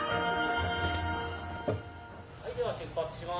はい、では出発します。